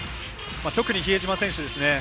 特に比江島選手ですね。